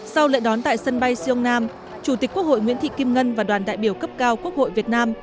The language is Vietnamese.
sau lễ đón tại sân bay seoul nam chủ tịch quốc hội nguyễn thị kim ngân và đoàn đại biểu cấp cao quốc hội việt nam